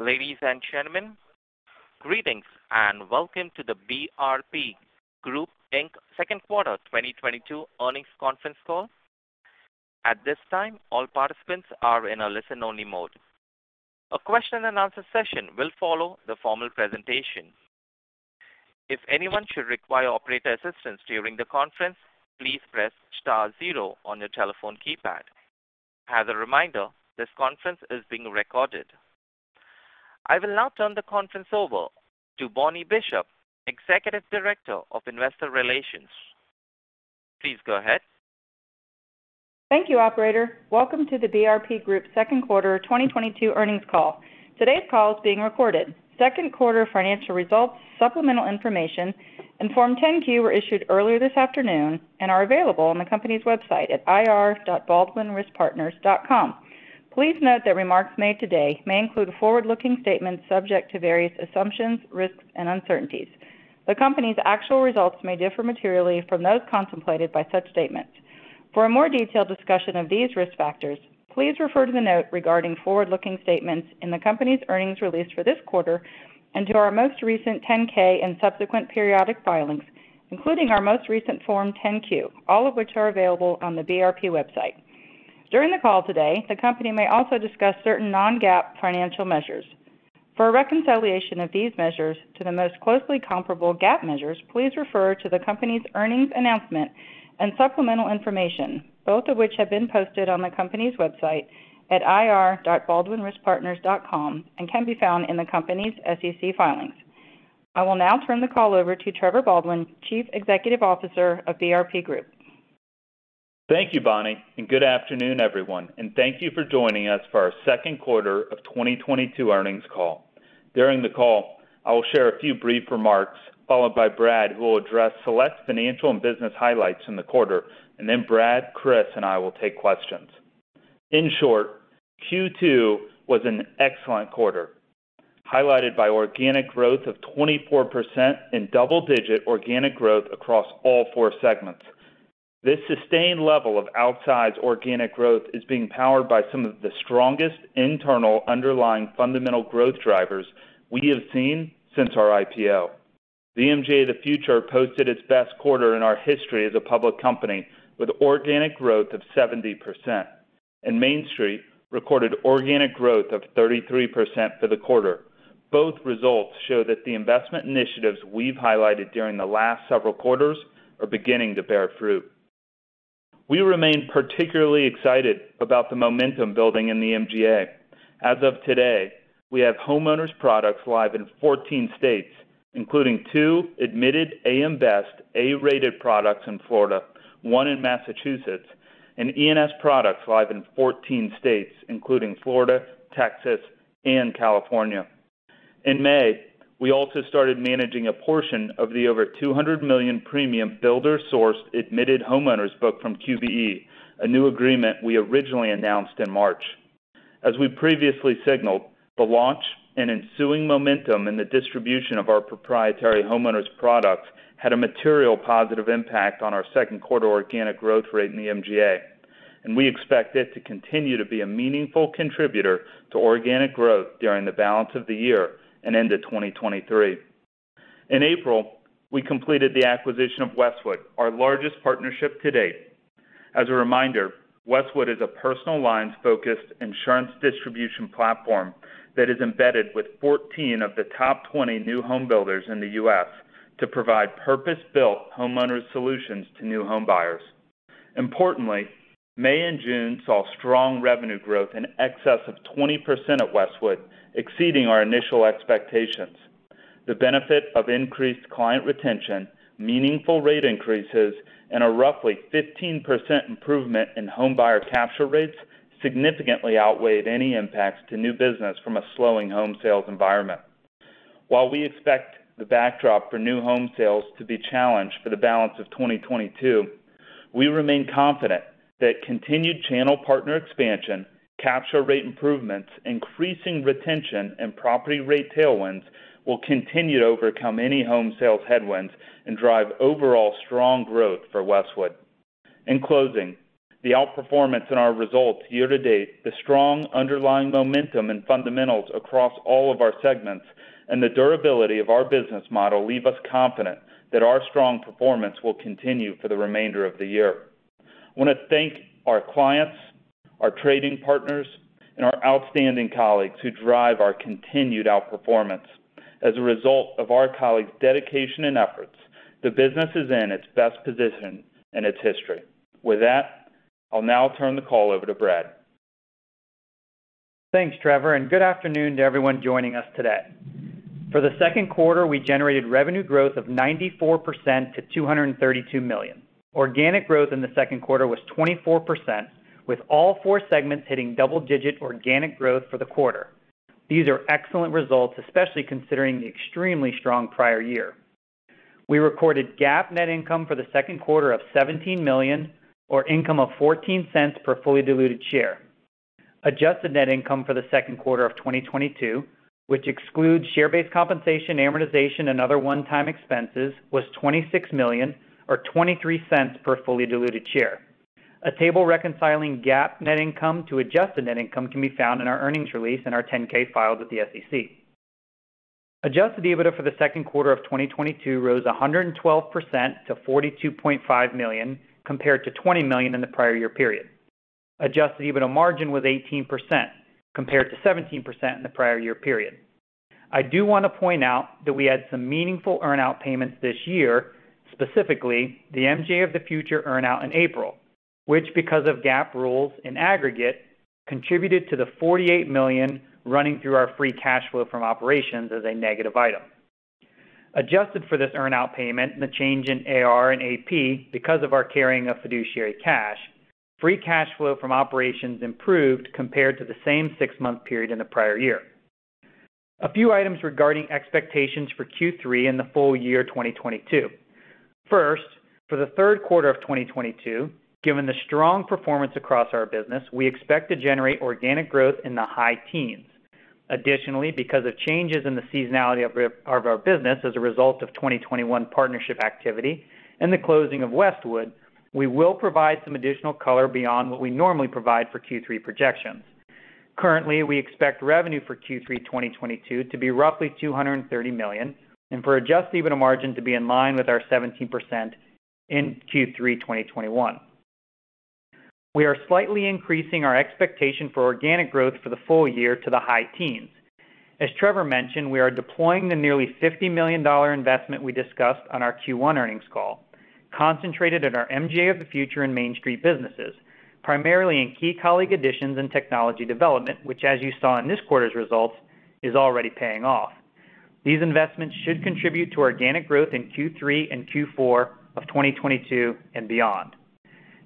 Ladies and gentlemen, greetings and welcome to the BRP Group, Inc. second quarter 2022 earnings conference call. At this time, all participants are in a listen-only mode. A question and answer session will follow the formal presentation. If anyone should require operator assistance during the conference, please press star zero on your telephone keypad. As a reminder, this conference is being recorded. I will now turn the conference over to Bonnie Bishop, Executive Director of Investor Relations. Please go ahead. Thank you, operator. Welcome to the BRP Group second quarter 2022 earnings call. Today's call is being recorded. Second quarter financial results, supplemental information and Form 10-Q were issued earlier this afternoon and are available on the company's website at ir.baldwinriskpartners.com. Please note that remarks made today may include forward-looking statements subject to various assumptions, risks and uncertainties. The company's actual results may differ materially from those contemplated by such statements. For a more detailed discussion of these risk factors, please refer to the note regarding forward-looking statements in the company's earnings release for this quarter and to our most recent 10-K and subsequent periodic filings, including our most recent Form 10-Q, all of which are available on the BRP website. During the call today, the company may also discuss certain non-GAAP financial measures. For a reconciliation of these measures to the most closely comparable GAAP measures, please refer to the company's earnings announcement and supplemental information, both of which have been posted on the company's website at ir.baldwinriskpartners.com, and can be found in the company's SEC filings. I will now turn the call over to Trevor Baldwin, Chief Executive Officer of BRP Group. Thank you, Bonnie, and good afternoon, everyone, and thank you for joining us for our second quarter of 2022 earnings call. During the call, I will share a few brief remarks, followed by Brad, who will address select financial and business highlights in the quarter. Brad, Chris and I will take questions. In short, Q2 was an excellent quarter, highlighted by organic growth of 24% and double-digit organic growth across all four segments. This sustained level of outsized organic growth is being powered by some of the strongest internal underlying fundamental growth drivers we have seen since our IPO. The MGA of the Future posted its best quarter in our history as a public company with organic growth of 70%, and MainStreet recorded organic growth of 33% for the quarter. Both results show that the investment initiatives we've highlighted during the last several quarters are beginning to bear fruit. We remain particularly excited about the momentum building in the MGA. As of today, we have homeowners products live in 14 states, including two admitted AM Best A-rated products in Florida, 1 in Massachusetts, and E&S products live in 14 states, including Florida, Texas and California. In May, we also started managing a portion of the over $200 million premium builder-sourced admitted homeowners book from QBE, a new agreement we originally announced in March. As we previously signaled, the launch and ensuing momentum in the distribution of our proprietary homeowners products had a material positive impact on our second quarter organic growth rate in the MGA, and we expect it to continue to be a meaningful contributor to organic growth during the balance of the year and into 2023. In April, we completed the acquisition of Westwood, our largest partnership to date. As a reminder, Westwood is a personal lines-focused insurance distribution platform that is embedded with 14 of the top 20 new home builders in the U.S. to provide purpose-built homeowners solutions to new home buyers. Importantly, May and June saw strong revenue growth in excess of 20% at Westwood, exceeding our initial expectations. The benefit of increased client retention, meaningful rate increases, and a roughly 15% improvement in home buyer capture rates significantly outweighed any impacts to new business from a slowing home sales environment. While we expect the backdrop for new home sales to be challenged for the balance of 2022, we remain confident that continued channel partner expansion, capture rate improvements, increasing retention and property rate tailwinds will continue to overcome any home sales headwinds and drive overall strong growth for Westwood. In closing, the outperformance in our results year to date, the strong underlying momentum and fundamentals across all of our segments, and the durability of our business model leave us confident that our strong performance will continue for the remainder of the year. I want to thank our clients, our trading partners, and our outstanding colleagues who drive our continued outperformance. As a result of our colleagues' dedication and efforts, the business is in its best position in its history. With that, I'll now turn the call over to Brad. Thanks, Trevor, and good afternoon to everyone joining us today. For the second quarter, we generated revenue growth of 94% to $232 million. Organic growth in the second quarter was 24%, with all four segments hitting double-digit organic growth for the quarter. These are excellent results, especially considering the extremely strong prior year. We recorded GAAP net income for the second quarter of $17 million, or $0.14 per fully diluted share. Adjusted net income for the second quarter of 2022, which excludes share-based compensation, amortization, and other one-time expenses, was $26 million or $0.23 per fully diluted share. A table reconciling GAAP net income to adjusted net income can be found in our earnings release in our 10-K filed with the SEC. Adjusted EBITDA for the second quarter of 2022 rose 112% to $42.5 million, compared to $20 million in the prior year period. Adjusted EBITDA margin was 18% compared to 17% in the prior year period. I do want to point out that we had some meaningful earn-out payments this year, specifically the MGA of the Future earn-out in April, which because of GAAP rules in aggregate, contributed to the $48 million running through our free cash flow from operations as a negative item. Adjusted for this earn-out payment and the change in AR and AP because of our carrying of fiduciary cash, free cash flow from operations improved compared to the same six-month period in the prior year. A few items regarding expectations for Q3 and the full-year 2022. First, for the third quarter of 2022, given the strong performance across our business, we expect to generate organic growth in the high teens%. Additionally, because of changes in the seasonality of our business as a result of 2021 partnership activity and the closing of Westwood, we will provide some additional color beyond what we normally provide for Q3 projections. Currently, we expect revenue for Q3 2022 to be roughly $230 million and for Adjusted EBITDA margin to be in line with our 17% in Q3 2021. We are slightly increasing our expectation for organic growth for the full-year to the high teens. As Trevor mentioned, we are deploying the nearly $50 million investment we discussed on our Q1 earnings call, concentrated at our MGA of the Future and MainStreet businesses, primarily in key colleague additions and technology development, which, as you saw in this quarter's results, is already paying off. These investments should contribute to organic growth in Q3 and Q4 of 2022 and beyond.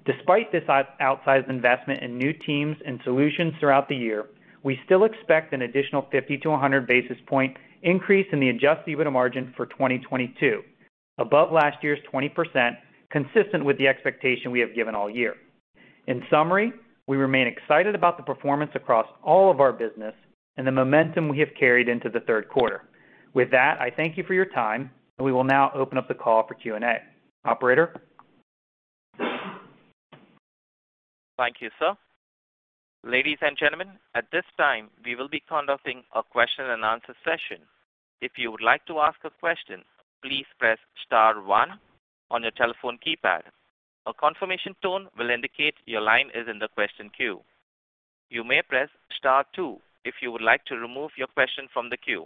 Despite this outsized investment in new teams and solutions throughout the year, we still expect an additional 50-100 basis points increase in the Adjusted EBITDA margin for 2022, above last year's 20%, consistent with the expectation we have given all year. In summary, we remain excited about the performance across all of our business and the momentum we have carried into the third quarter. With that, I thank you for your time, and we will now open up the call for Q&A. Operator? Thank you, sir. Ladies and gentlemen, at this time, we will be conducting a question and answer session. If you would like to ask a question, please press star one on your telephone keypad. A confirmation tone will indicate your line is in the question queue. You may press star two if you would like to remove your question from the queue.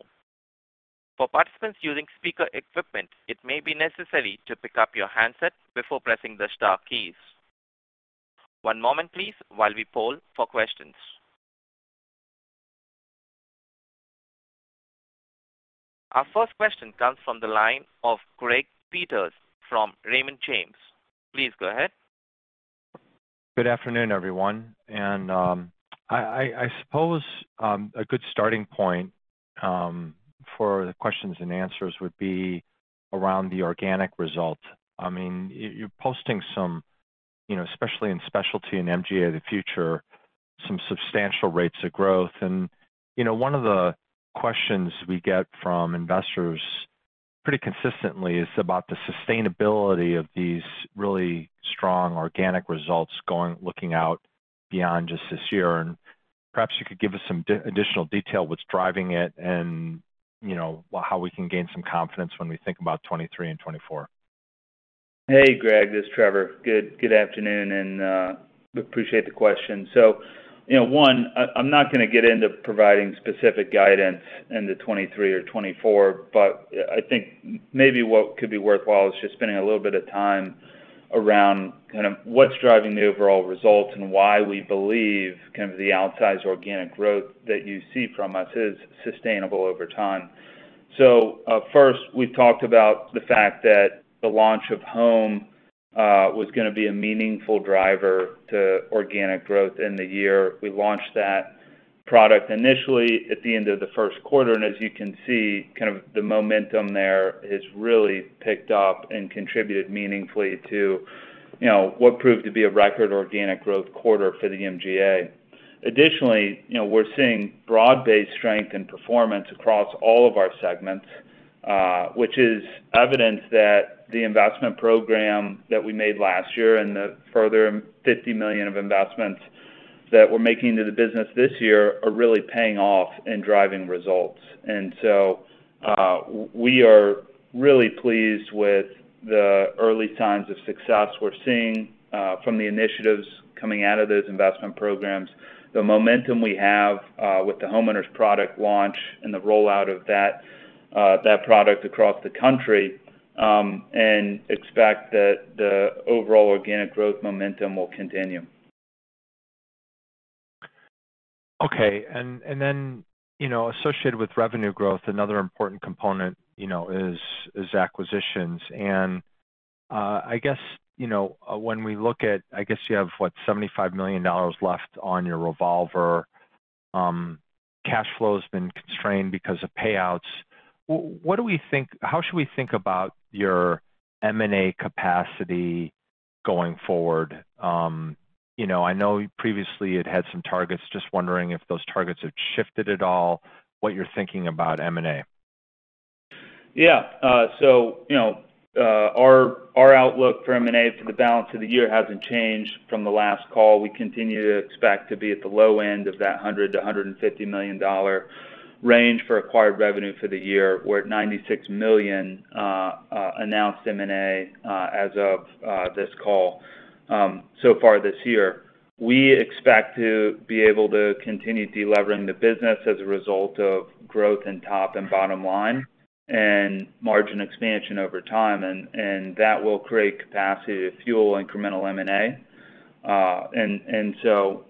For participants using speaker equipment, it may be necessary to pick up your handset before pressing the star keys. One moment, please, while we poll for questions. Our first question comes from the line of Craig Peters from Raymond James. Please go ahead. Good afternoon, everyone. I suppose a good starting point for the questions and answers would be around the organic result. I mean, you're posting some, you know, especially in specialty and MGA of the Future, some substantial rates of growth. You know, one of the questions we get from investors pretty consistently is about the sustainability of these really strong organic results looking out beyond just this year. Perhaps you could give us some additional detail what's driving it and you know, how we can gain some confidence when we think about 2023 and 2024. Hey, Greg, this is Trevor. Good afternoon, and appreciate the question. You know, I'm not going to get into providing specific guidance into 2023 or 2024, but I think maybe what could be worthwhile is just spending a little bit of time around kind of what's driving the overall results and why we believe kind of the outsized organic growth that you see from us is sustainable over time. First, we talked about the fact that the launch of Home was going to be a meaningful driver to organic growth in the year. We launched that product initially at the end of the first quarter, and as you can see, kind of the momentum there has really picked up and contributed meaningfully to, you know, what proved to be a record organic growth quarter for the MGA. Additionally, you know, we're seeing broad-based strength and performance across all of our segments, which is evidence that the investment program that we made last year and the further $50 million of investments that we're making to the business this year are really paying off and driving results. We are really pleased with the early signs of success we're seeing from the initiatives coming out of those investment programs, the momentum we have with the Homeowners product launch and the rollout of that product across the country, and expect that the overall organic growth momentum will continue. You know, associated with revenue growth, another important component, you know, is acquisitions. I guess, you know, when we look at, I guess you have, what, $75 million left on your revolver. Cash flow has been constrained because of payouts. How should we think about your M&A capacity going forward? You know, I know previously it had some targets. Just wondering if those targets have shifted at all, what you're thinking about M&A. Yeah. You know, our outlook for M&A for the balance of the year hasn't changed from the last call. We continue to expect to be at the low end of that $100-$150 million range for acquired revenue for the year. We're at $96 million announced M&A as of this call so far this year. We expect to be able to continue delevering the business as a result of growth in top and bottom line and margin expansion over time, and that will create capacity to fuel incremental M&A.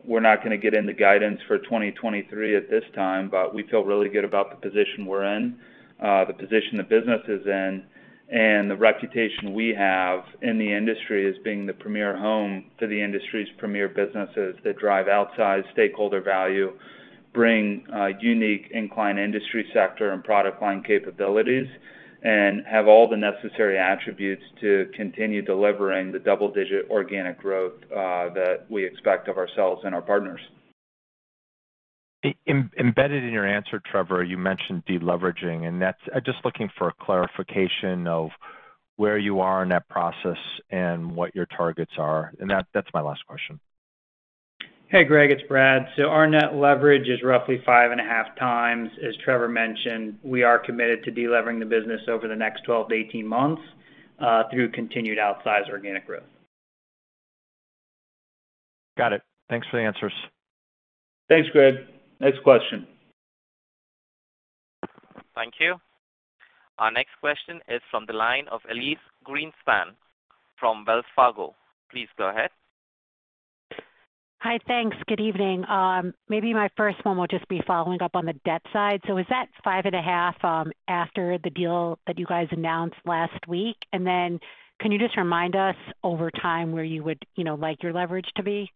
We're not gonna get into guidance for 2023 at this time, but we feel really good about the position we're in, the position the business is in, and the reputation we have in the industry as being the premier home to the industry's premier businesses that drive outsized stakeholder value, bring unique incline industry sector and product line capabilities, and have all the necessary attributes to continue delivering the double-digit organic growth that we expect of ourselves and our partners. Embedded in your answer, Trevor, you mentioned deleveraging, and that's. I'm just looking for a clarification of where you are in that process and what your targets are. That's my last question. Hey, Greg, it's Brad. Our net leverage is roughly 5.5x. As Trevor mentioned, we are committed to delevering the business over the next 12-18 months through continued outsized organic growth. Got it. Thanks for the answers. Thanks, Greg. Next question. Thank you. Our next question is from the line of Elyse Greenspan from Wells Fargo. Please go ahead. Hi. Thanks. Good evening. Maybe my first one will just be following up on the debt side. Is that 5.5 after the deal that you guys announced last week? Can you just remind us over time where you would, you know, like your leverage to be?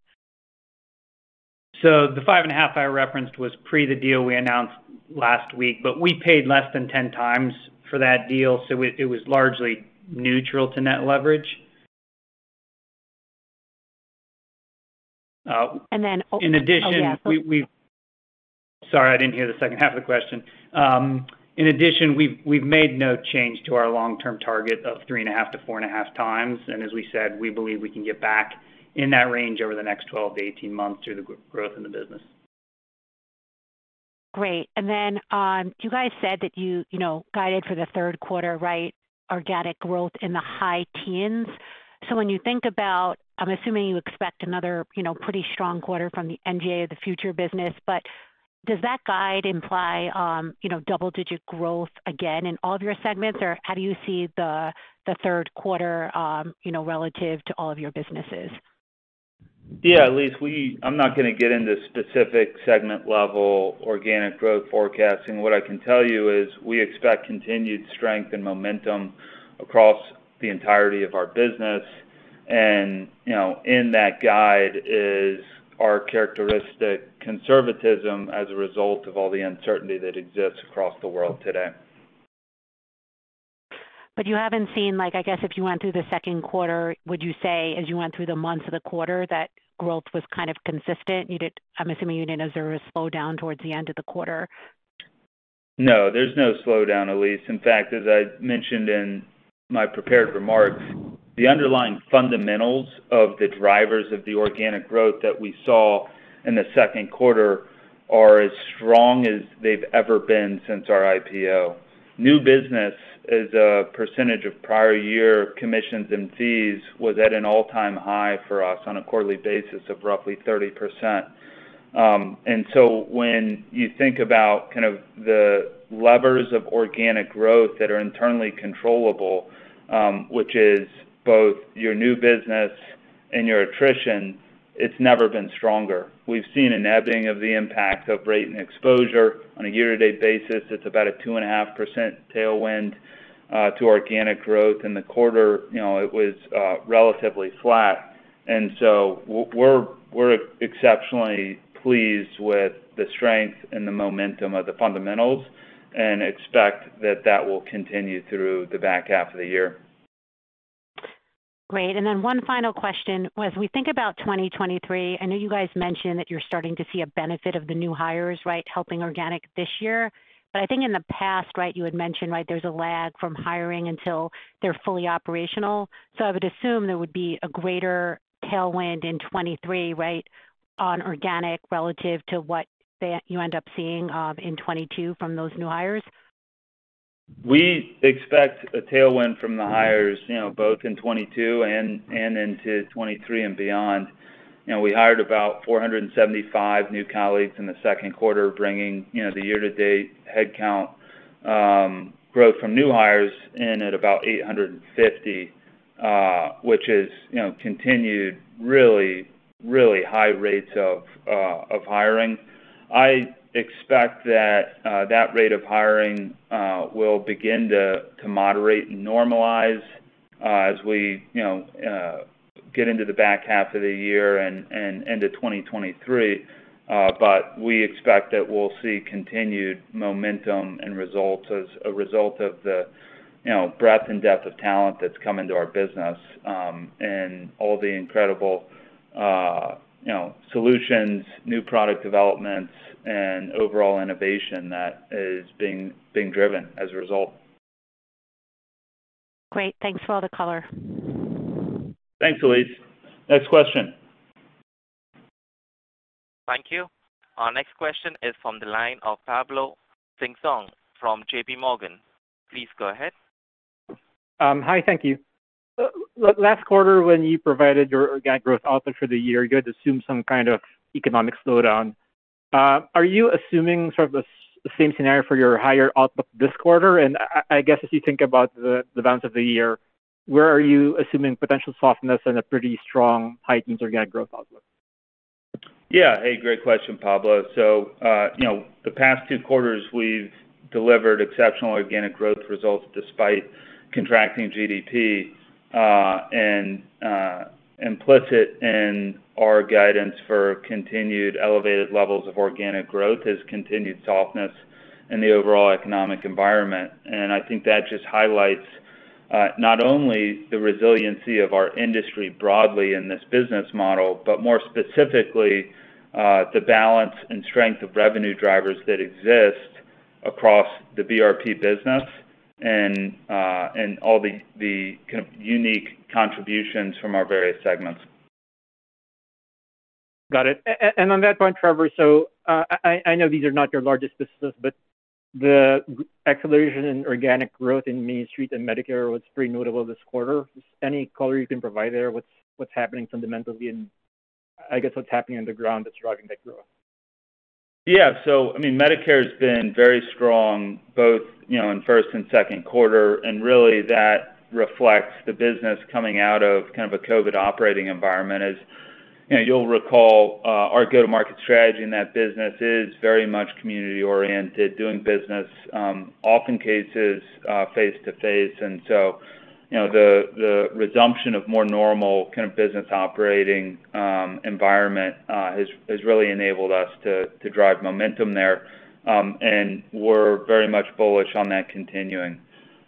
The 5.5 I referenced was pre the deal we announced last week, but we paid less than 10x for that deal, so it was largely neutral to net leverage. Oh, yeah. In addition, sorry, I didn't hear the second half of the question. In addition, we've made no change to our long-term target of 3.5-4.5x. As we said, we believe we can get back in that range over the next 12-18 months through the growth in the business. Great. You guys said that you know guided for the third quarter, right, organic growth in the high teens. When you think about, I'm assuming you expect another, you know, pretty strong quarter from the MGA of the Future. Does that guide imply, you know, double-digit growth again in all of your segments? How do you see the third quarter, you know, relative to all of your businesses? Yeah, Elyse, I'm not gonna get into specific segment level organic growth forecasting. What I can tell you is we expect continued strength and momentum across the entirety of our business. You know, in that guide is our characteristic conservatism as a result of all the uncertainty that exists across the world today. You haven't seen, like, I guess if you went through the second quarter, would you say, as you went through the months of the quarter, that growth was kind of consistent? I'm assuming you didn't observe a slowdown towards the end of the quarter. No, there's no slowdown, Elyse. In fact, as I mentioned in my prepared remarks, the underlying fundamentals of the drivers of the organic growth that we saw in the second quarter are as strong as they've ever been since our IPO. New business as a percentage of prior year commissions and fees was at an all-time high for us on a quarterly basis of roughly 30%. When you think about kind of the levers of organic growth that are internally controllable, which is both your new business and your attrition, it's never been stronger. We've seen an ebbing of the impact of rate and exposure. On a year-to-date basis, it's about a 2.5% tailwind to organic growth. In the quarter, you know, it was relatively flat. We're exceptionally pleased with the strength and the momentum of the fundamentals and expect that that will continue through the back half of the year. Great. One final question. As we think about 2023, I know you guys mentioned that you're starting to see a benefit of the new hires, right, helping organic this year. I think in the past, right, you had mentioned, right, there's a lag from hiring until they're fully operational. I would assume there would be a greater tailwind in 2023, right, on organic relative to what you end up seeing in 2022 from those new hires. We expect a tailwind from the hires, you know, both in 2022 and into 2023 and beyond. You know, we hired about 475 new colleagues in the second quarter, bringing the year-to-date headcount growth from new hires to about 850, which is, you know, continued really, really high rates of hiring. I expect that rate of hiring will begin to moderate and normalize as we, you know, get into the back half of the year and into 2023. We expect that we'll see continued momentum and results as a result of the, you know, breadth and depth of talent that's come into our business, and all the incredible, you know, solutions, new product developments, and overall innovation that is being driven as a result. Great. Thanks for all the color. Thanks, Elyse. Next question. Thank you. Our next question is from the line of Pablo Singzon from JP Morgan. Please go ahead. Hi. Thank you. Last quarter, when you provided your organic growth outlook for the year, you had assumed some kind of economic slowdown. Are you assuming sort of the same scenario for your higher outlook this quarter? I guess, as you think about the balance of the year, where are you assuming potential softness and a pretty strong heightened organic growth outlook? Yeah. Hey, great question, Pablo. You know, the past two quarters, we've delivered exceptional organic growth results despite contracting GDP, and implicit in our guidance for continued elevated levels of organic growth has continued softness in the overall economic environment. I think that just highlights, not only the resiliency of our industry broadly in this business model, but more specifically, the balance and strength of revenue drivers that exist across the BRP business and all the kind of unique contributions from our various segments. Got it. On that point, Trevor, I know these are not your largest businesses, but the acceleration in organic growth in MainStreet and Medicare was pretty notable this quarter. Any color you can provide there? What's happening fundamentally and I guess what's happening on the ground that's driving that growth? Yeah. I mean, Medicare's been very strong both, you know, in first and second quarter, and really that reflects the business coming out of kind of a COVID operating environment. As you know, you'll recall, our go-to-market strategy in that business is very much community-oriented, doing business, in many cases, face-to-face. You know, the resumption of more normal kind of business operating environment has really enabled us to drive momentum there. We're very much bullish on that continuing.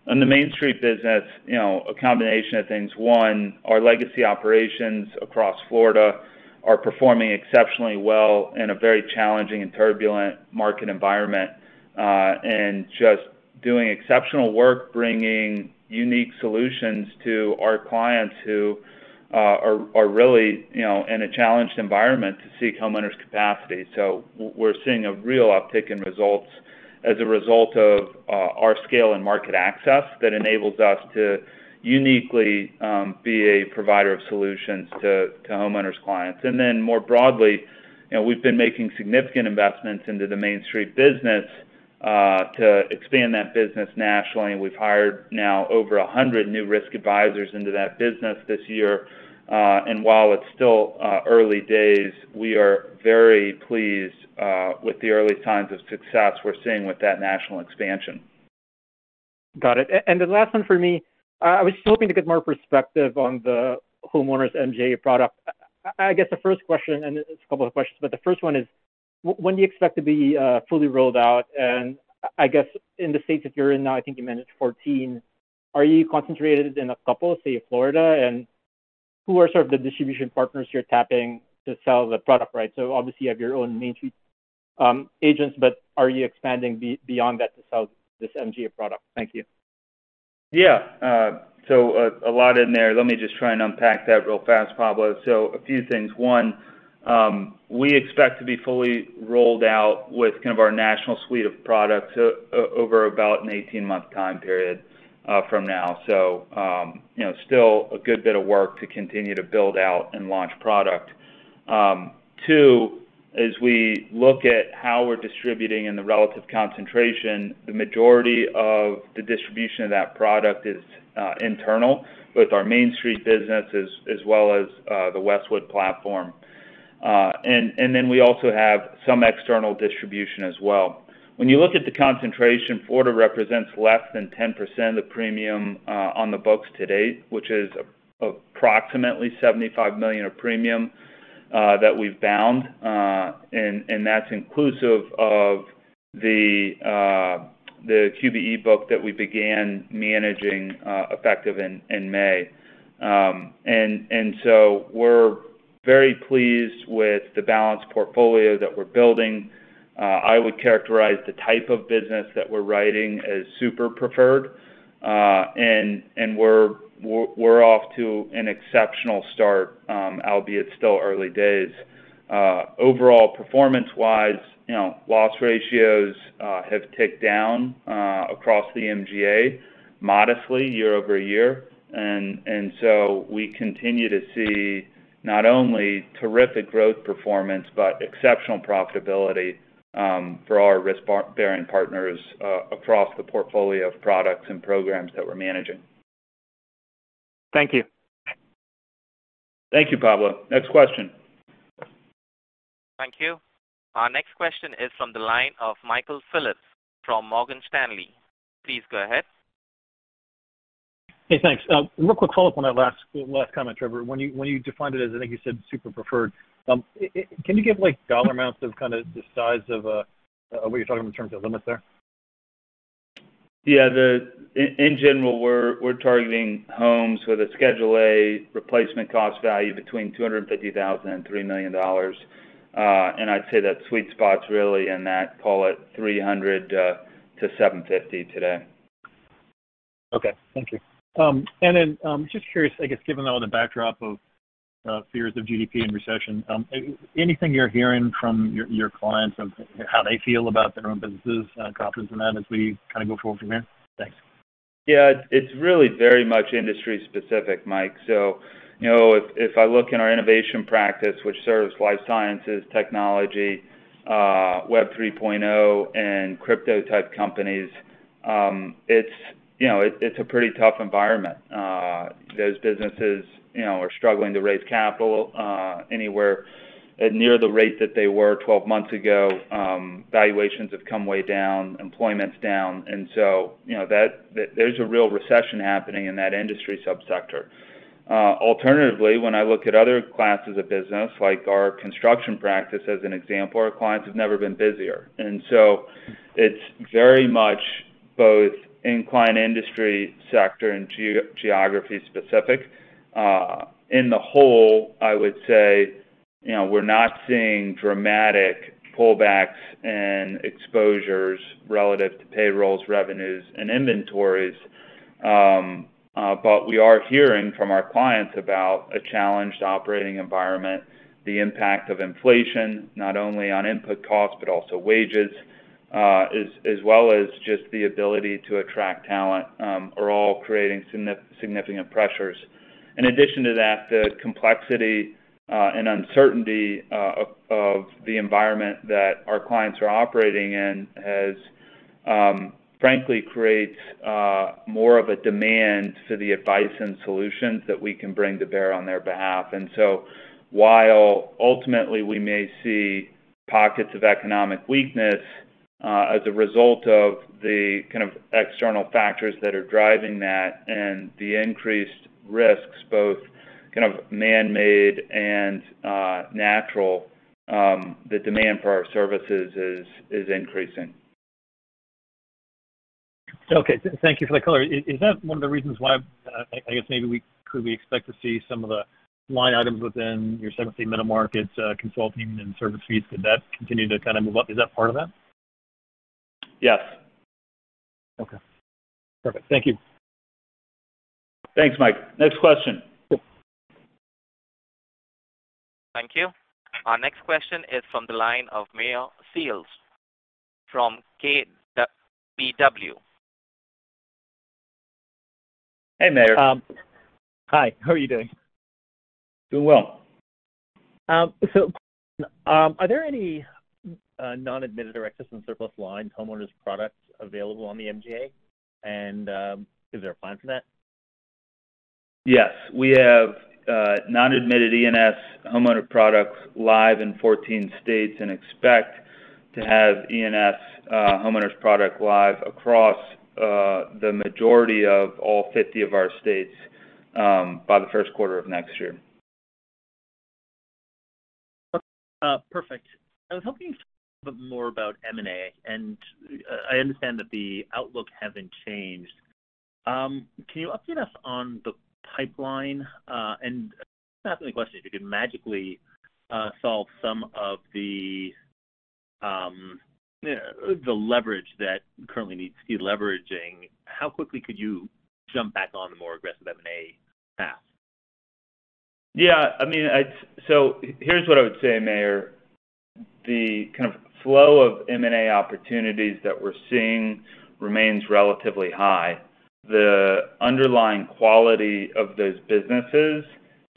On the MainStreet business, you know, a combination of things. One, our legacy operations across Florida are performing exceptionally well in a very challenging and turbulent market environment, and just doing exceptional work bringing unique solutions to our clients who are really, you know, in a challenged environment to seek homeowners capacity. We're seeing a real uptick in results as a result of our scale and market access that enables us to uniquely be a provider of solutions to homeowners clients. More broadly, you know, we've been making significant investments into the MainStreet business to expand that business nationally. We've hired now over 100 new risk advisors into that business this year. And while it's still early days, we are very pleased with the early signs of success we're seeing with that national expansion. Got it. The last one for me, I was just hoping to get more perspective on the homeowners MGA product. I guess the first question, and it's a couple of questions, but the first one is when do you expect to be fully rolled out? I guess in the states that you're in now, I think you managed 14. Are you concentrated in a couple, say, Florida? Who are sort of the distribution partners you're tapping to sell the product, right? So obviously you have your own MainStreet agents, but are you expanding beyond that to sell this MGA product? Thank you. A lot in there. Let me just try and unpack that real fast, Pablo. A few things. One, we expect to be fully rolled out with kind of our national suite of products over about an 18-month time period from now. You know, still a good bit of work to continue to build out and launch product. Two, as we look at how we're distributing in the relative concentration, the majority of the distribution of that product is internal with our MainStreet business as well as the Westwood platform. And then we also have some external distribution as well. When you look at the concentration, Florida represents less than 10% of premium on the books to date, which is approximately $75 million of premium that we've bound. That's inclusive of the QBE book that we began managing, effective in May. We're very pleased with the balanced portfolio that we're building. I would characterize the type of business that we're writing as super preferred. We're off to an exceptional start, albeit still early days. Overall, performance-wise, loss ratios have ticked down across the MGA modestly year-over-year. We continue to see not only terrific growth performance, but exceptional profitability, for our risk-bearing partners across the portfolio of products and programs that we're managing. Thank you. Thank you, Pablo. Next question. Thank you. Our next question is from the line of Michael Phillips from Morgan Stanley. Please go ahead. Hey, thanks. Real quick follow-up on that last comment, Trevor. When you defined it as, I think you said super preferred, can you give like dollar amounts of kind of the size of what you're talking about in terms of limits there? In general, we're targeting homes with a Coverage A replacement cost value between $250,000 and $3 million. I'd say that sweet spot's really in that, call it $300,000-$750,000, today. Okay. Thank you. Just curious, I guess given all the backdrop of fears of GDP and recession, anything you're hearing from your clients of how they feel about their own businesses, confidence in that as we kind of go forward from here? Thanks. Yeah. It's really very much industry specific, Mike. You know, if I look in our innovation practice, which serves life sciences, technology, Web3, and crypto-type companies, it's a pretty tough environment. Those businesses, you know, are struggling to raise capital anywhere near the rate that they were 12 months ago. Valuations have come way down, employment's down. You know, there's a real recession happening in that industry subsector. Alternatively, when I look at other classes of business, like our construction practice as an example, our clients have never been busier. It's very much both in client industry sector and geography specific. On the whole, I would say, you know, we're not seeing dramatic pullbacks and exposures relative to payrolls, revenues, and inventories. We are hearing from our clients about a challenged operating environment, the impact of inflation, not only on input costs, but also wages, as well as just the ability to attract talent, are all creating significant pressures. In addition to that, the complexity and uncertainty of the environment that our clients are operating in frankly creates more of a demand for the advice and solutions that we can bring to bear on their behalf. While ultimately we may see pockets of economic weakness, as a result of the kind of external factors that are driving that and the increased risks, both kind of man-made and natural, the demand for our services is increasing. Okay. Thank you for that color. Is that one of the reasons why I guess could we expect to see some of the line items within your 17 middle market consulting and service fees, could that continue to kind of move up? Is that part of that? Yes. Okay. Perfect. Thank you. Thanks, Mike. Next question. Thank you. Our next question is from the line of Meyer Shields from KBW. Hey, Meyer. Hi. How are you doing? Doing well. Are there any non-admitted or excess and surplus lines homeowners products available on the MGA, and is there a plan for that? Yes. We have non-admitted E&S homeowners products live in 14 states and expect to have E&S homeowners product live across the majority of all 50 of our states by the first quarter of next year. Perfect. I was hoping to hear a bit more about M&A, and I understand that the outlook hasn't changed. Can you update us on the pipeline? Not asking the question if you could magically solve some of the leverage that currently needs de-leveraging. How quickly could you jump back on the more aggressive M&A path? Yeah, I mean, here's what I would say, Meyer. The kind of flow of M&A opportunities that we're seeing remains relatively high. The underlying quality of those businesses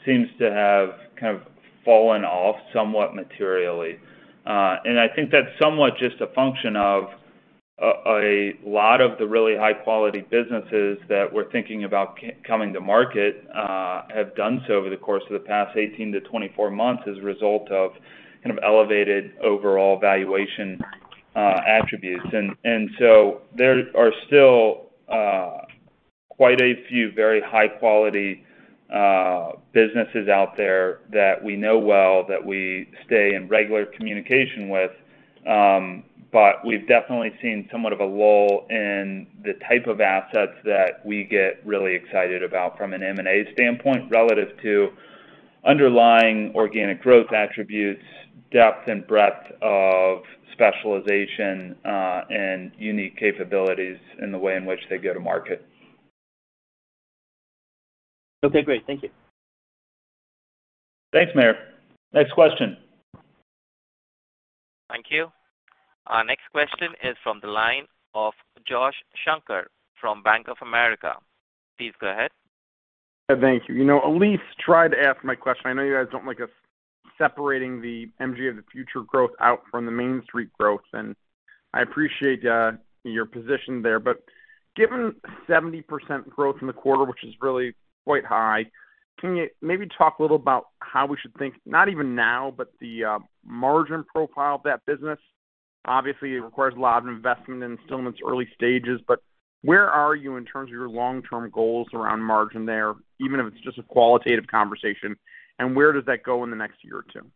seems to have kind of fallen off somewhat materially. I think that's somewhat just a function of a lot of the really high-quality businesses that we're thinking about coming to market have done so over the course of the past 18-24 months as a result of kind of elevated overall valuation attributes. There are still quite a few very high quality businesses out there that we know well that we stay in regular communication with. We've definitely seen somewhat of a lull in the type of assets that we get really excited about from an M&A standpoint relative to underlying organic growth attributes, depth and breadth of specialization, and unique capabilities in the way in which they go to market. Okay. Great. Thank you. Thanks, Meyer. Next question. Thank you. Our next question is from the line of Josh Shanker from Bank of America. Please go ahead. Thank you. You know, Elyse tried to ask my question. I know you guys don't like us separating the MGA of the Future growth out from the MainStreet growth, and I appreciate your position there. Given 70% growth in the quarter, which is really quite high, can you maybe talk a little about how we should think, not even now, but the margin profile of that business. Obviously, it requires a lot of investment and still in its early stages, but where are you in terms of your long-term goals around margin there, even if it's just a qualitative conversation, and where does that go in the next year or two?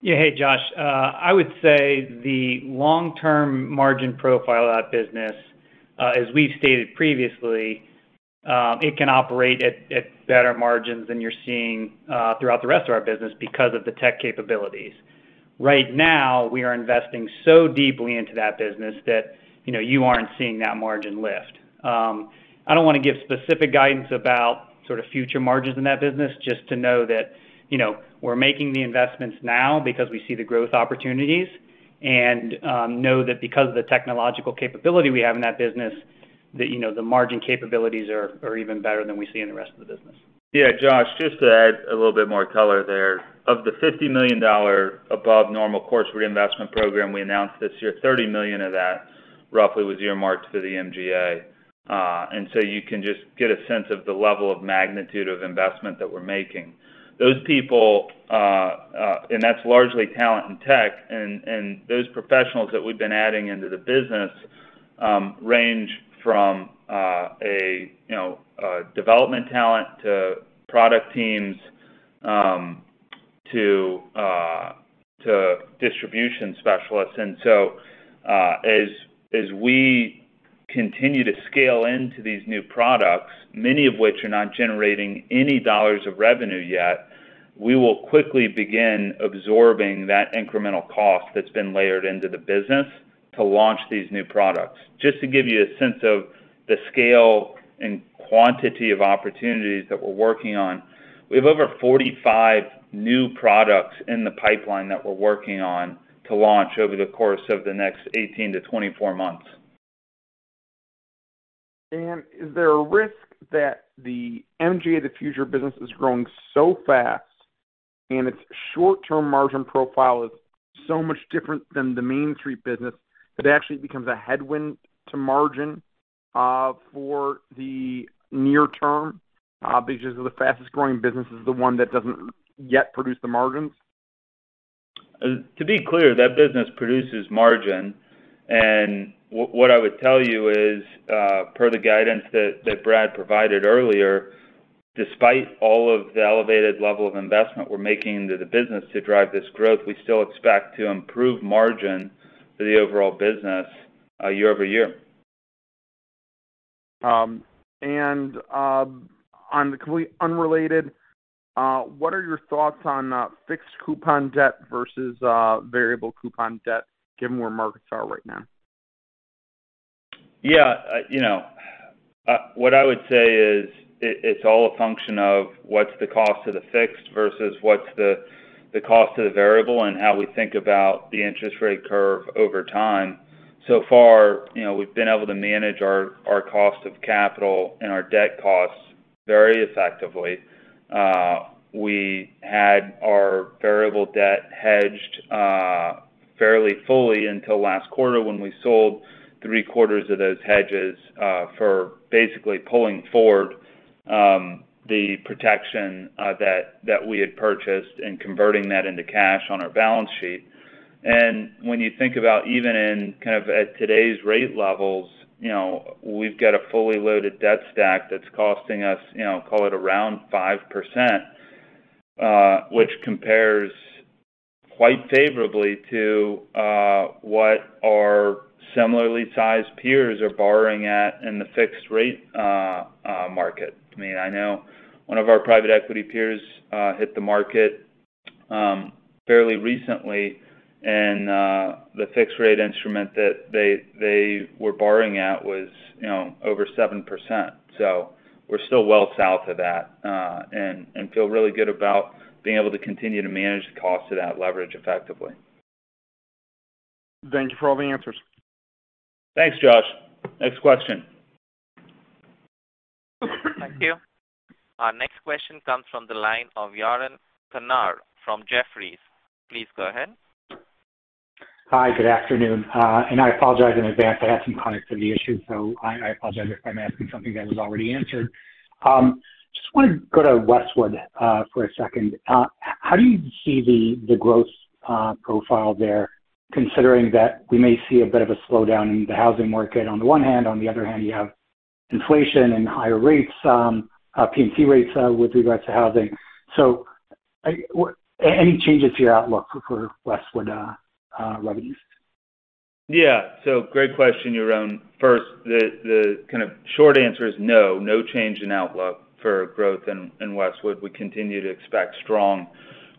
Yeah. Hey, Josh. I would say the long-term margin profile of that business, as we've stated previously, it can operate at better margins than you're seeing throughout the rest of our business because of the tech capabilities. Right now, we are investing so deeply into that business that, you know, you aren't seeing that margin lift. I don't wanna give specific guidance about sort of future margins in that business, just to know that, you know, we're making the investments now because we see the growth opportunities and know that because of the technological capability we have in that business, that, you know, the margin capabilities are even better than we see in the rest of the business. Yeah, Josh, just to add a little bit more color there. Of the $50 million above normal course reinvestment program we announced this year, $30 million of that roughly was earmarked for the MGA. You can just get a sense of the level of magnitude of investment that we're making. Those people, and that's largely talent and tech, and those professionals that we've been adding into the business, range from you know a development talent to product teams, to distribution specialists. As we continue to scale into these new products, many of which are not generating any dollars of revenue yet, we will quickly begin absorbing that incremental cost that's been layered into the business to launch these new products. Just to give you a sense of the scale and quantity of opportunities that we're working on, we have over 45 new products in the pipeline that we're working on to launch over the course of the next 18-24 months. Trevor, is there a risk that the MGA of the Future business is growing so fast and its short-term margin profile is so much different than the MainStreet business that actually becomes a headwind to margin, for the near term, because of the fastest growing business is the one that doesn't yet produce the margins? To be clear, that business produces margin. What I would tell you is, per the guidance that Brad provided earlier, despite all of the elevated level of investment we're making into the business to drive this growth, we still expect to improve margin for the overall business, year-over-year. On the unrelated, what are your thoughts on fixed coupon debt versus variable coupon debt, given where markets are right now? Yeah. You know, what I would say is it's all a function of what's the cost of the fixed versus what's the cost of the variable and how we think about the interest rate curve over time. So far, you know, we've been able to manage our cost of capital and our debt costs very effectively. We had our variable debt hedged fairly fully until last quarter when we sold three-quarters of those hedges for basically pulling forward the protection that we had purchased and converting that into cash on our balance sheet. When you think about even in kind of at today's rate levels, you know, we've got a fully loaded debt stack that's costing us, you know, call it around 5%, which compares quite favorably to what our similarly sized peers are borrowing at in the fixed rate market. I mean, I know one of our private equity peers hit the market fairly recently, and the fixed rate instrument that they were borrowing at was, you know, over 7%. So we're still well south of that, and feel really good about being able to continue to manage the cost of that leverage effectively. Thank you for all the answers. Thanks, Josh. Next question. Thank you. Our next question comes from the line of Yaron Kinar from Jefferies. Please go ahead. Hi, Good afternoon. I apologize in advance. I had some connectivity issues, so I apologize if I'm asking something that was already answered. Just want to go to Westwood for a second. How do you see the growth profile there, considering that we may see a bit of a slowdown in the housing market on the one hand, on the other hand, you have inflation and higher rates, P&C rates with regards to housing. Any changes to your outlook for Westwood revenues? Yeah. Great question, Yaron. First, the kind of short answer is no change in outlook for growth in Westwood. We continue to expect strong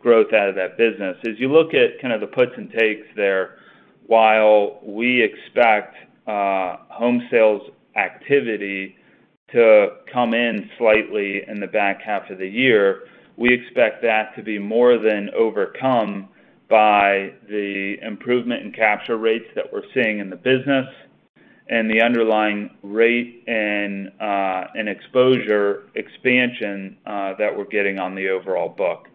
growth out of that business. As you look at kind of the puts and takes there, while we expect home sales activity to come in slightly in the back half of the year, we expect that to be more than overcome by the improvement in capture rates that we're seeing in the business and the underlying rate and exposure expansion that we're getting on the overall book.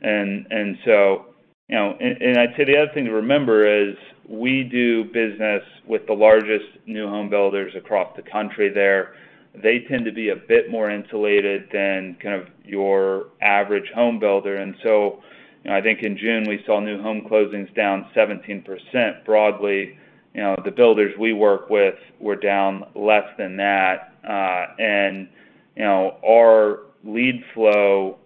You know, I'd say the other thing to remember is we do business with the largest new home builders across the country there. They tend to be a bit more insulated than kind of your average home builder. You know, I think in June we saw new home closings down 17% broadly. You know, the builders we work with were down less than that. You know, our lead flow,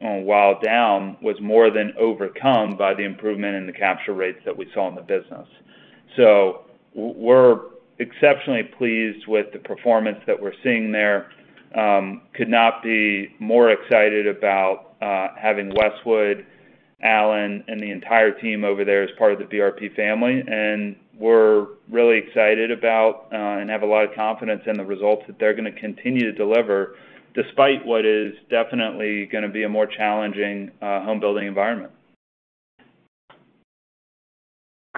while down was more than overcome by the improvement in the capture rates that we saw in the business. We're exceptionally pleased with the performance that we're seeing there. Could not be more excited about having Westwood, Allen, and the entire team over there as part of the BRP family. We're really excited about and have a lot of confidence in the results that they're gonna continue to deliver despite what is definitely gonna be a more challenging home building environment.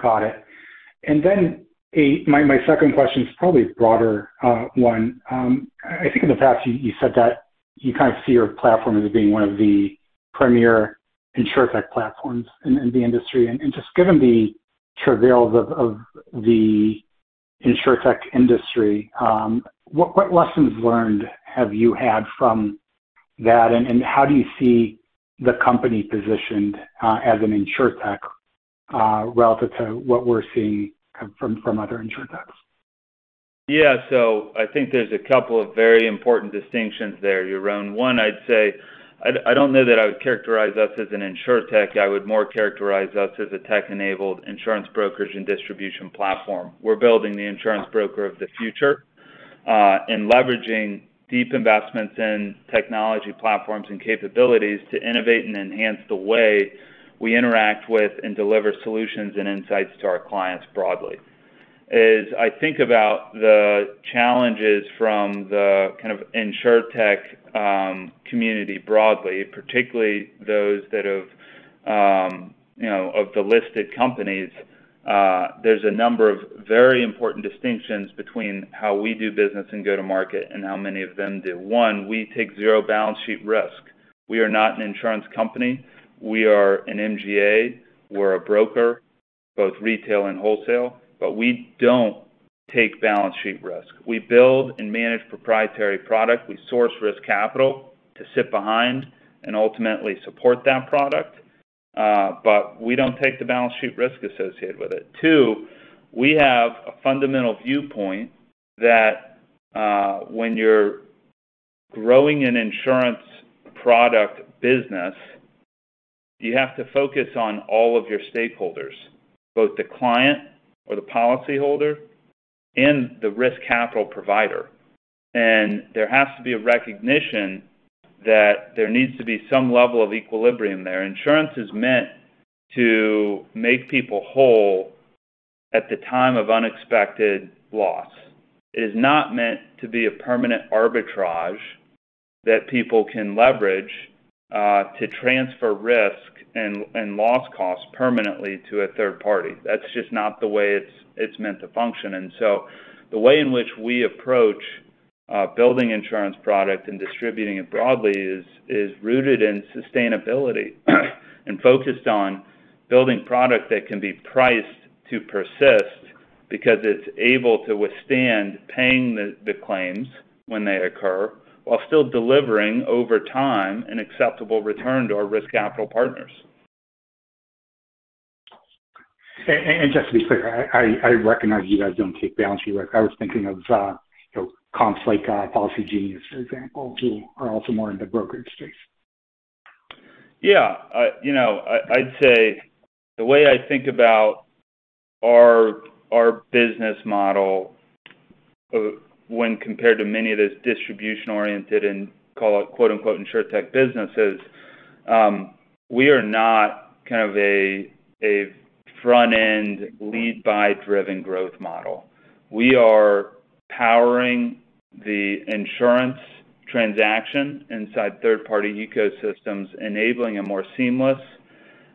Got it. Then my second question is probably a broader one. I think in the past you said that you kind of see your platform as being one of the premier insurtech platforms in the industry. Just given the travails of the insurtech industry, what lessons learned have you had from that, and how do you see the company positioned as an insurtech relative to what we're seeing from other insurtechs? Yeah. I think there's a couple of very important distinctions there, Yaron. One, I'd say I don't know that I would characterize us as an insurtech. I would more characterize us as a tech-enabled insurance brokerage and distribution platform. We're building the insurance broker of the future, and leveraging deep investments in technology platforms and capabilities to innovate and enhance the way we interact with and deliver solutions and insights to our clients broadly. As I think about the challenges from the kind of insurtech community broadly, particularly those that have, you know, of the listed companies, there's a number of very important distinctions between how we do business and go to market and how many of them do. One, we take zero balance sheet risk. We are not an insurance company. We are an MGA. We're a broker, both retail and wholesale, but we don't take balance sheet risk. We build and manage proprietary product. We source risk capital to sit behind and ultimately support that product, but we don't take the balance sheet risk associated with it. Two, we have a fundamental viewpoint that, when you're growing an insurance product business, you have to focus on all of your stakeholders, both the client or the policyholder and the risk capital provider. There has to be a recognition that there needs to be some level of equilibrium there. Insurance is meant to make people whole at the time of unexpected loss. It is not meant to be a permanent arbitrage that people can leverage, to transfer risk and loss costs permanently to a third party. That's just not the way it's meant to function. The way in which we approach building insurance product and distributing it broadly is rooted in sustainability and focused on building product that can be priced to persist because it's able to withstand paying the claims when they occur, while still delivering over time an acceptable return to our risk capital partners. Just to be clear, I recognize you guys don't take balance sheet risk. I was thinking of, you know, comps like Policygenius, for example, who are also more in the brokerage space. Yeah. You know, I'd say the way I think about our business model when compared to many of those distribution-oriented and call it quote-unquote insurtech businesses, we are not kind of a front-end lead buy driven growth model. We are powering the insurance transaction inside third-party ecosystems, enabling a more seamless,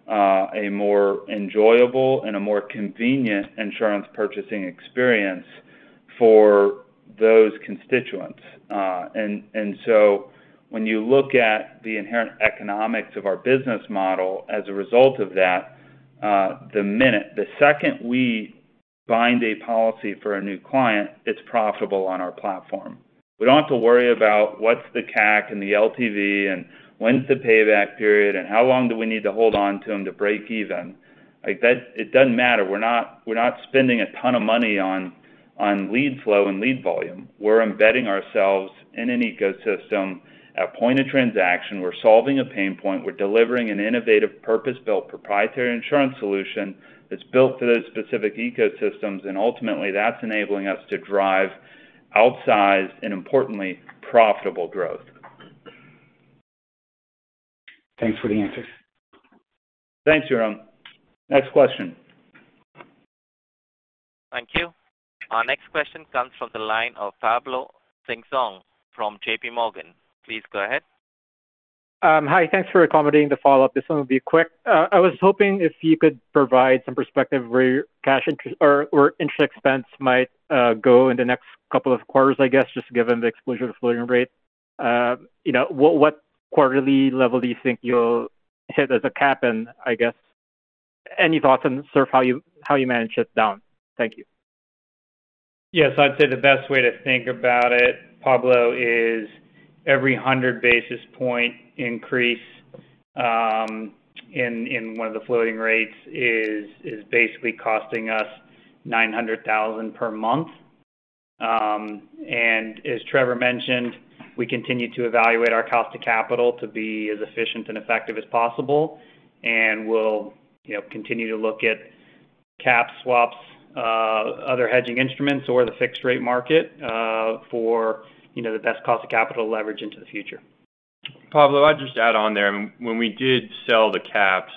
a more enjoyable and a more convenient insurance purchasing experience for those constituents. So when you look at the inherent economics of our business model as a result of that, the second we bind a policy for a new client, it's profitable on our platform. We don't have to worry about what's the CAC and the LTV and when's the payback period and how long do we need to hold on to them to break even. Like, it doesn't matter. We're not spending a ton of money on lead flow and lead volume. We're embedding ourselves in an ecosystem at point of transaction. We're solving a pain point. We're delivering an innovative, purpose-built proprietary insurance solution that's built for those specific ecosystems. Ultimately, that's enabling us to drive outsized and, importantly, profitable growth. Thanks for the answers. Thanks, Yaron. Next question. Thank you. Our next question comes from the line of Pablo Singzon from JP Morgan. Please go ahead. Hi. Thanks for accommodating the follow-up. This one will be quick. I was hoping if you could provide some perspective where interest expense might go in the next couple of quarters, I guess, just given the exposure to floating rate. You know, what quarterly level do you think you'll hit as a cap in, I guess? Any thoughts on sort of how you manage this down? Thank you. Yes. I'd say the best way to think about it, Pablo, is every 100 basis point increase in one of the floating rates is basically costing us $900,000 per month. As Trevor mentioned, we continue to evaluate our cost of capital to be as efficient and effective as possible. We'll, you know, continue to look at cap swaps, other hedging instruments or the fixed rate market, for, you know, the best cost of capital leverage into the future. Pablo, I'll just add on there. When we did sell the caps,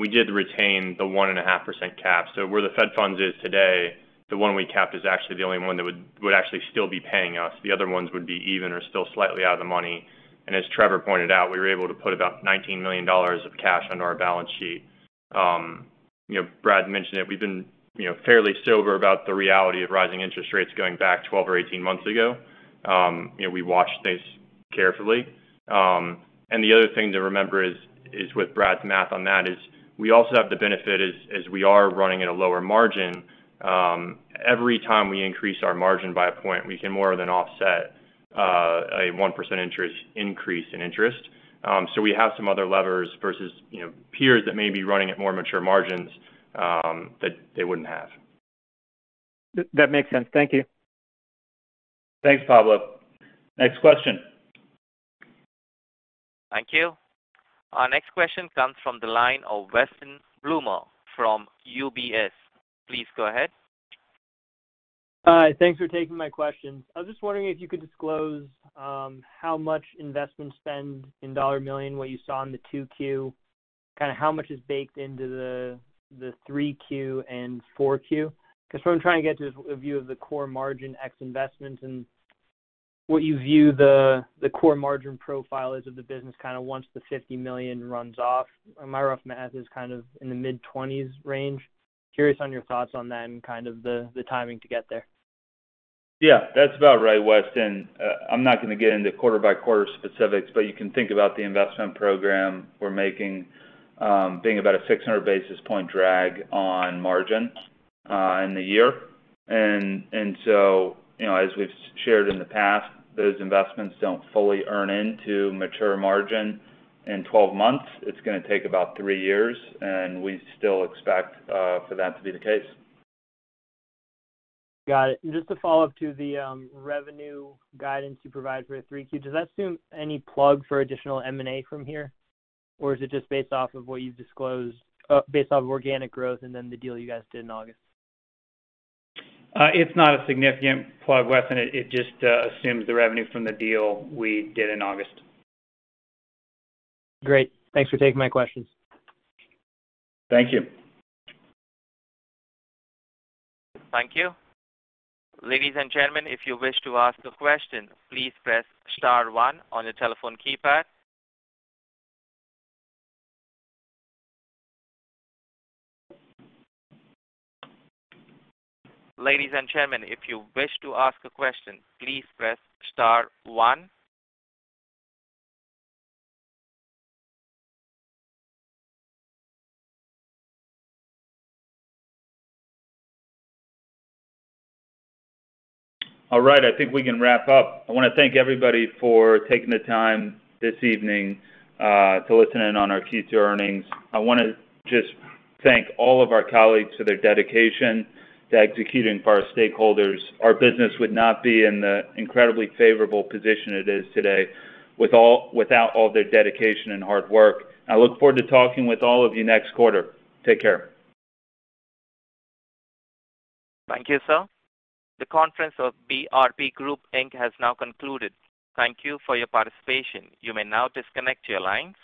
we did retain the 1.5% cap. So where the Fed funds is today, the one we capped is actually the only one that would actually still be paying us. The other ones would be even or still slightly out of the money. As Trevor pointed out, we were able to put about $19 million of cash under our balance sheet. You know, Brad mentioned it. We've been, you know, fairly sober about the reality of rising interest rates going back 12 or 18 months ago. You know, we watched this carefully. The other thing to remember is with Brad's math on that is we also have the benefit as we are running at a lower margin. Every time we increase our margin by a point, we can more than offset a 1% increase in interest. We have some other levers versus, you know, peers that may be running at more mature margins that they wouldn't have. That makes sense. Thank you. Thanks, Pablo. Next question. Thank you. Our next question comes from the line of Weston Bloomer from UBS. Please go ahead. Hi. Thanks for taking my questions. I was just wondering if you could disclose how much investment spend in dollar millions, what you saw in the 2Q. Kinda how much is baked into the 3Q and 4Q? Because what I'm trying to get to is a view of the core margin ex investment and what you view the core margin profile is of the business kinda once the $50 million runs off. My rough math is kind of in the mid-20s% range. Curious on your thoughts on that and kind of the timing to get there. Yeah, that's about right, Weston. I'm not gonna get into quarter by quarter specifics, but you can think about the investment program we're making, being about a 600 basis points drag on margin in the year. You know, as we've shared in the past, those investments don't fully earn in to mature margin in 12 months. It's gonna take about three years, and we still expect for that to be the case. Got it. Just to follow up to the revenue guidance you provided for 3Q, does that assume any plug for additional M&A from here? Or is it just based off organic growth and then the deal you guys did in August? It's not a significant plug, Weston. It just assumes the revenue from the deal we did in August. Great. Thanks for taking my questions. Thank you. Thank you. Ladies and gentlemen, if you wish to ask a question, please press star one on your telephone keypad. Ladies and gentlemen, if you wish to ask a question, please press star one. All right, I think we can wrap up. I wanna thank everybody for taking the time this evening to listen in on our Q2 earnings. I wanna just thank all of our colleagues for their dedication to executing for our stakeholders. Our business would not be in the incredibly favorable position it is today without all their dedication and hard work. I look forward to talking with all of you next quarter. Take care. Thank you, sir. The conference call of BRP Group, Inc. has now concluded. Thank you for your participation. You may now disconnect your lines.